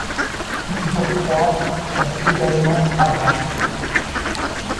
Plusieurs croix sont également arrachées.